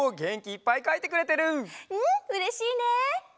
うれしいね！